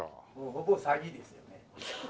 ほぼ詐欺ですよね。